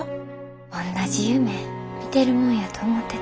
おんなじ夢見てるもんやと思ってた。